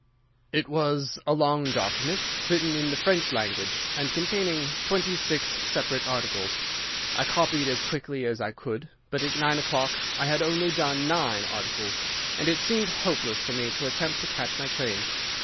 "It was a long document, written in the French language, and containing twenty six separate articles. I copied as quickly as I could, but at nine o'clock I had only done nine articles, and it seemed hopeless for me to attempt to catch my train.